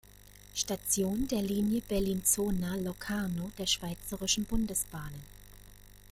Station der Linie Bellinzona-Locarno der Schweizerischen Bundesbahnen.